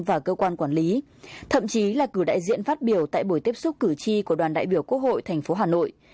và cơ quan quản lý thậm chí là cử đại diện phát biểu tại buổi tiếp xúc cử tri của đoàn đại biểu quốc hội tp hà nội